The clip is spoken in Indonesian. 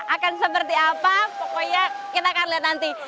akan seperti apa pokoknya kita akan lihat nanti